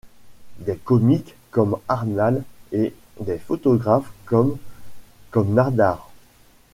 Des comiques comme Arnal et des photographes comme… comme Nadar ?